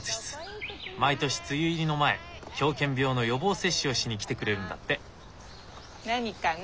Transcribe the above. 毎年梅雨入りの前狂犬病の予防接種をしに来てくれるんだって。何かな？